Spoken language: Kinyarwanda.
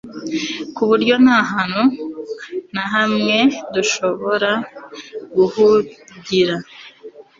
ku buryo nta hantu na hamwe dushobora guhungira